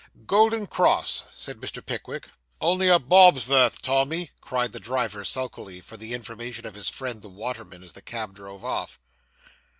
'Golden Cross,' said Mr. Pickwick. 'Only a bob's vorth, Tommy,' cried the driver sulkily, for the information of his friend the waterman, as the cab drove off.